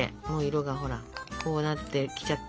色がほらこうなってきちゃって。